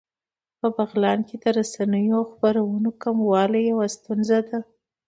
په بغلان کې د رسنیو او خپرونو کموالی يوه ستونزه ده